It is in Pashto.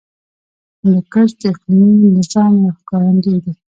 هندوکش د اقلیمي نظام یو ښکارندوی دی.